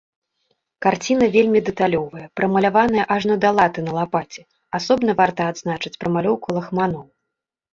Карціна вельмі дэталёвая, прамаляваная ажно да латы на лапаце, асобна варта адзначыць прамалёўку лахманоў.